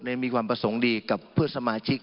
มีความประสงค์ดีกับเพื่อนสมาชิก